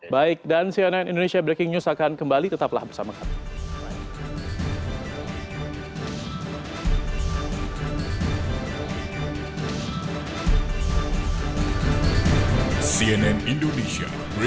baik dan cnn indonesia breaking news akan kembali tetaplah bersama kami